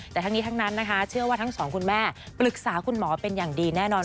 แต่ทั้งนี้ทั้งนั้นนะคะเชื่อว่าทั้งสองคุณแม่ปรึกษาคุณหมอเป็นอย่างดีแน่นอน